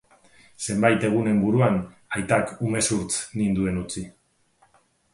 Zenbait egunen buruan aitak umezurtz ninduen utzi.